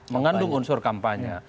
mengandung unsur kampanye